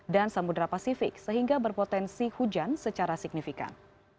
dan samudera pasifik sehingga berpotensi hujan secara signifikan